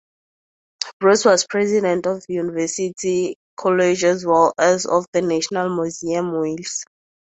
Bruce was president of University College as well as of the National Museum Wales.